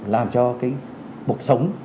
làm cho cái cuộc sống